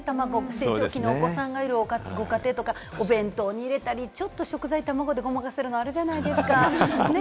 成長期のお子さんがいるご家庭とか、お弁当に入れたり、ちょっと食材をたまごでごまかせるのあるじゃないですか。